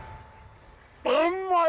うっまい！